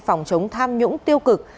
phòng chống tham nhũng tiêu cực